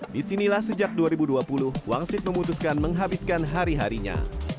disinilah sejak dua ribu dua puluh wangsit memutuskan menghabiskan hari harinya